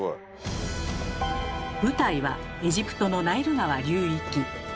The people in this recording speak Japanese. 舞台はエジプトのナイル川流域。